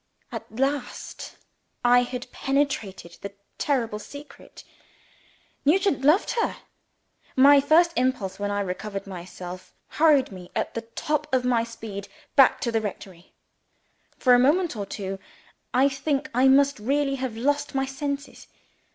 At last I had penetrated the terrible secret. Nugent loved her. My first impulse, when I recovered myself, hurried me at the top of my speed back to the rectory. For a moment or two, I think I must really have lost my senses.